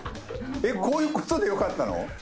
こういうことでよかったの？